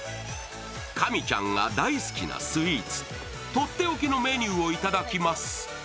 神ちゃんが大好きなスイーツとっておきのメニューをいただきます。